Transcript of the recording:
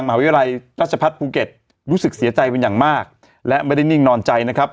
มหาวิทยาลัยราชพัฒน์ภูเก็ตรู้สึกเสียใจเป็นอย่างมากและไม่ได้นิ่งนอนใจนะครับ